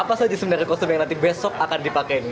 apa saja sebenarnya kostum yang nanti besok akan dipakai